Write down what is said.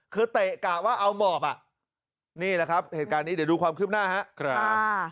คือเตะกะว่าเอาหมอบอ่ะนี่แหละครับเหตุการณ์นี้เดี๋ยวดูความคืบหน้าครับ